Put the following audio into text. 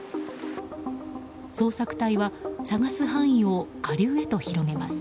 捜索隊は捜す範囲を下流へと広げます。